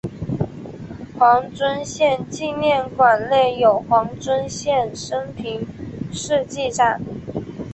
黄遵宪纪念馆内有黄遵宪生平事迹展。